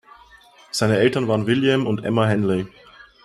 Seine Eltern waren William und Emma Henley.